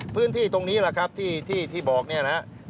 พื้นที่ตรงนี้แหละครับที่บอกเนี่ยนะครับ